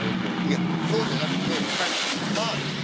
いやそうじゃなくてマーでしょ。